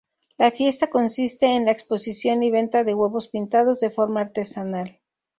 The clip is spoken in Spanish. La fiesta consiste en la exposición y venta de huevos pintados de forma artesanal.